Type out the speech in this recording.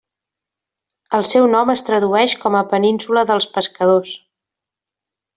El seu nom es tradueix com a 'península dels pescadors'.